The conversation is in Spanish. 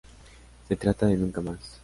Se trata de Nunca Más.